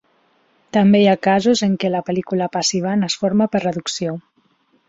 També hi ha casos en què la pel·lícula passivant es forma per reducció.